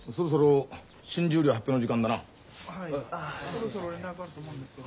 そろそろ連絡あると思うんですけど。